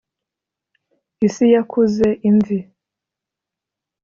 isi yakuze imvi